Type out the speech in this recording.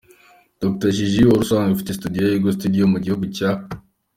Dr Jiji wari usanzwe ufite studio ya Ego studio mu gihugu cya.